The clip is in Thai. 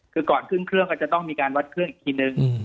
คือก่อนขึ้นเครื่องก็จะต้องมีการวัดเครื่องอีกทีนึง